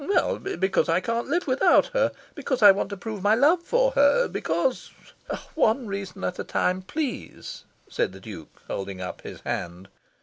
"Well, because I can't live without her. Because I want to prove my love for her. Because " "One reason at a time please," said the Duke, holding up his hand.